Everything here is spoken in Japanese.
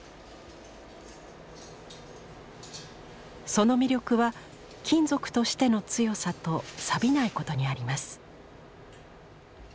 その魅力は金属としての強さとさびないことにあります。